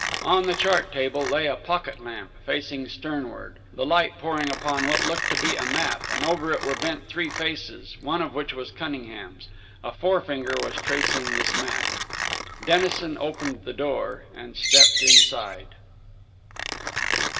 On the chart table lay a pocket lamp, facing sternward, the light pouring upon what looked to be a map; and over it were bent three faces, one of which was Cunningham's. A forefinger was tracing this map. Dennison opened the door and stepped inside.